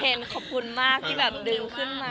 เคนครับคุณมากที่ดึงขึ้นมา